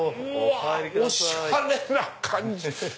おしゃれな感じ！